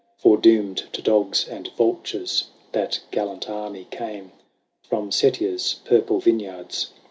Foredoomed to dogs and vultures. That gallant army came ; From Setia's purple vineyards.